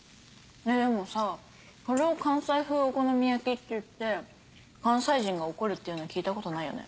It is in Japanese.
でもさこれを「関西風お好み焼き」って言って関西人が怒るっていうのは聞いたことないよね。